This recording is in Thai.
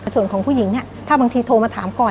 ส่วนของผู้หญิงเนี่ยถ้าบางทีโทรมาถามก่อน